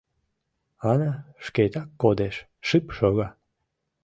Ана шкетак кодеш, шып шога.